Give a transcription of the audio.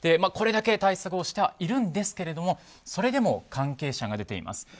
これだけ対策をしているんですけれどもそれでも、関係者が出ています。